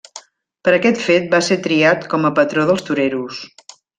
Per aquest fet va ser triat com a patró dels toreros.